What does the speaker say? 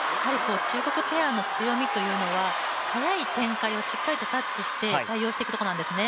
中国ペアの強みというのは速い展開をしっかりと察知して対応してくところなんですね。